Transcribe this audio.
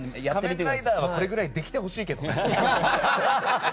「仮面ライダー」はこれぐらいできてほしいけどね。